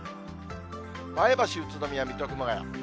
前橋、宇都宮、水戸、熊谷。